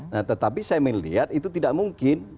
nah tetapi saya melihat itu tidak mungkin